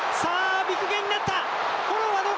ビッグゲインになった！